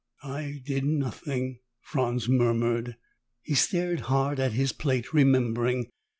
"I did nothing," Franz murmured. He stared hard at his plate, remembering.